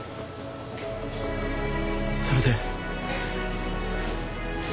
それで。